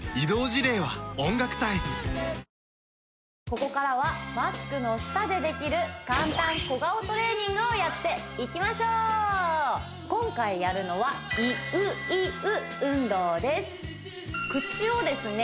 ここからはマスクの下でできる簡単小顔トレーニングをやっていきましょう今回やるのは口をですね